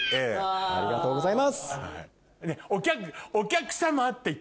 ありがとうございます！